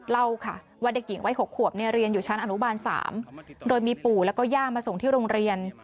เล่าค่ะว่าเด็กหญิงวัย๖ขวบเรียนอยู่ชั้นอนุบาล๓โดยมีปู่แล้วก็ย่ามาส่งที่โรงเรียน